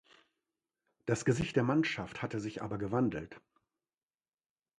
Das Gesicht der Mannschaft hatte sich aber gewandelt.